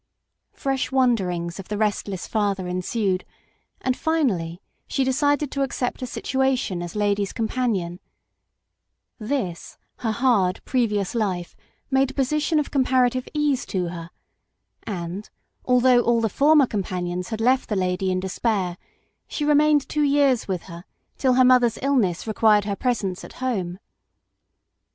Fresh wander ings of the restless father ensued, and finally she decided to accept a situation as lady's companion; this her hard previous life made a position of comparative ease to her, and, although all the former companions had left the lady in despair, she remained two years with her till her mother's illness required her presence at home.